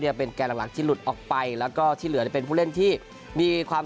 จะเป็นแก่หลักที่หลุดออกไปแล้วก็ที่เหลือเนี่ยเป็นผู้เล่นที่มีความ